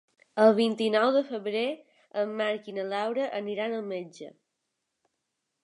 El vint-i-nou de febrer en Marc i na Laura aniran al metge.